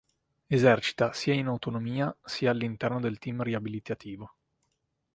Esercita sia in autonomia sia all'interno del team riabilitativo.